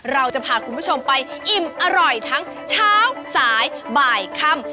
เราจะพาคุณผู้ชมไปอิ่มอร่อยทั้งเช้าสายบ่ายค่ำ